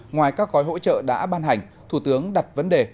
ngoài các gói hỗ trợ đã ban hành thủ tướng đặt vấn đề